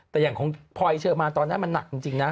แต่อย่างของพลอยเชอร์มานตอนนั้นมันหนักจริงนะ